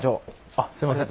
あっすいません。